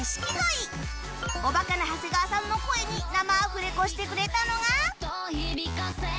おバカな長谷川さんの声に生アフレコしてくれたのが